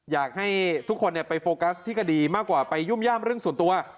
อยากให้ทุกคนไปโฟกัสที่คดีมากกว่าไปยุ่มย่ามเรื่องส่วนตัว